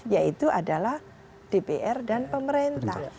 yaitu adalah dpr dan pemerintah